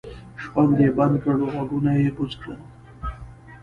شخوند یې بند کړ غوږونه یې بوڅ کړل.